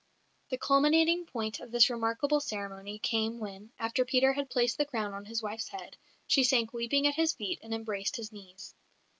The culminating point of this remarkable ceremony came when, after Peter had placed the crown on his wife's head, she sank weeping at his feet and embraced his knees.